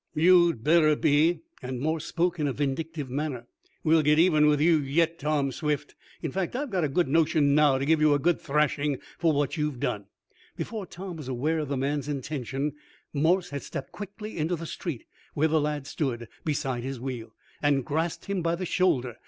"You'd better be!" and Morse spoke in a vindictive manner. "We'll get even with you yet, Tom Swift. In fact I've a good notion now to give you a good thrashing for what you've done." Before Tom was aware of the man's intention, Morse had stepped quickly into the street, where the lad stood beside his wheel, and grasped him by the shoulder.